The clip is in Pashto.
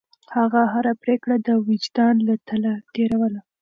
هغه هره پرېکړه د وجدان له تله تېروله.